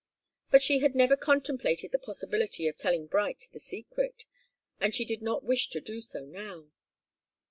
But she had never contemplated the possibility of telling Bright the secret, and she did not wish to do so now.